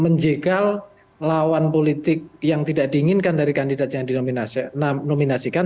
menjegal lawan politik yang tidak diinginkan dari kandidat yang dinominasikan